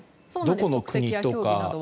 どこの国とか。